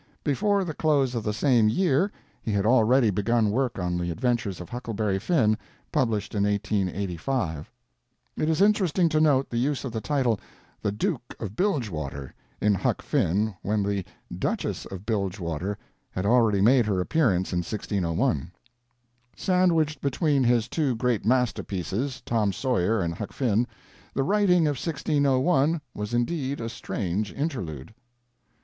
Before the close of the same year he had already begun work on 'The Adventures of Huckleberry Finn', published in 1885. It is interesting to note the use of the title, the "Duke of Bilgewater," in Huck Finn when the "Duchess of Bilgewater" had already made her appearance in 1601. Sandwiched between his two great masterpieces, Tom Sawyer and Huck Finn, the writing of 1601 was indeed a strange interlude.